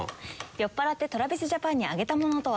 酔っ払ってＴｒａｖｉｓＪａｐａｎにあげた物とは？